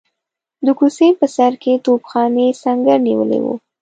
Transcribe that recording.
د کوڅې په سر کې توپخانې سنګر نیولی وو.